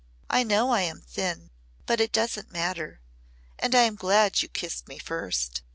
"I know I am thin, but it doesn't matter. And I am glad you kissed me first.